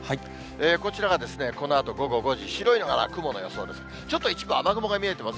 こちらが、このあと午後５時、白いのが雲の予想です。